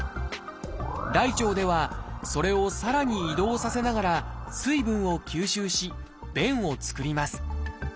大腸ではそれをさらに移動させながら水分を吸収し便を作ります。